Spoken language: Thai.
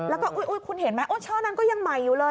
แล้วก็อุ๊ยคุณเห็นไหมช่อนั้นก็ยังใหม่อยู่เลย